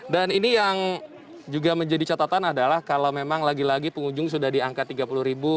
dan ini yang juga menjadi catatan adalah kalau memang lagi lagi pengunjung sudah di angka tiga puluh ribu